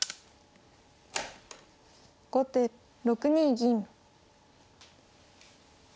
後手６二銀。